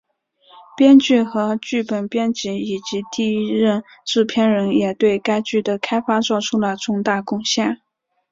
编剧和剧本编辑以及第一任制片人也对该剧的开发作出了重大贡献。